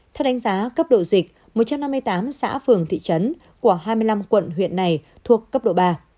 theo đánh giá cấp độ dịch một trăm năm mươi tám xã phường thị trấn của hai mươi năm quận huyện này thuộc cấp độ ba